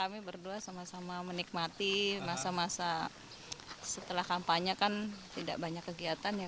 kami berdua sama sama menikmati masa masa setelah kampanye kan tidak banyak kegiatan ya